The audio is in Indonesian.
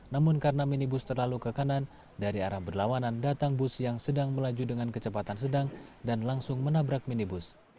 namun karena minibus terlalu ke kanan dari arah berlawanan datang bus yang sedang melaju dengan kecepatan sedang dan langsung menabrak minibus